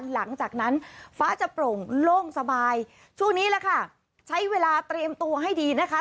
หลังจากนั้นฟ้าจะโปร่งโล่งสบายช่วงนี้แหละค่ะใช้เวลาเตรียมตัวให้ดีนะคะ